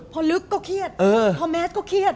พอลึกก็เครียดพอแมสก็เครียด